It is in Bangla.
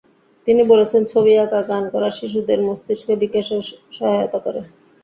তিনি বলেছেন ছবি আঁকা, গান করা শিশুদের মস্তিষ্ক বিকাশে সহায়তা করে।